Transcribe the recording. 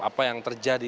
apa yang terjadi